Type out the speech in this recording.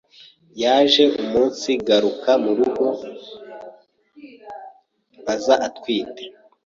yaje umunsigaruka mu rugo aza atwite